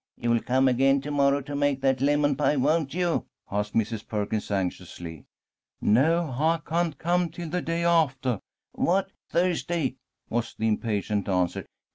"You'll come again to morrow to make that lemon pie, won't you?" asked Mrs. Perkins, anxiously. "No, I can't come till the day aftah." "What? Thursday?" was the impatient answer.